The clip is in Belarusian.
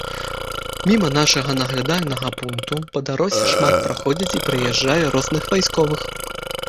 Міма нашага наглядальнага пункту па дарозе шмат праходзіць і праязджае розных вайсковых.